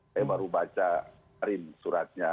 saya baru baca suratnya